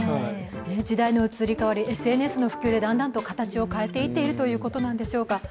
時代の移り変わり、ＳＮＳの普及でだんだんと形を変えていっているということなんでしょうか。